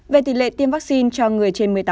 về tỷ lệ tiêm vaccine cho người trên một mươi tám